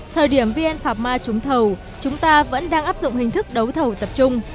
thời điểm vn phạm ma trúng thầu chúng ta vẫn đang áp dụng hình thức đấu thầu tập trung